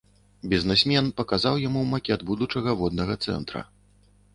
Бізнэсмен паказаў яму макет будучага воднага цэнтра.